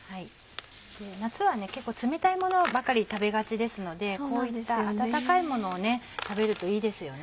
夏は結構冷たいものばかり食べがちですのでこういった温かいものを食べるといいですよね。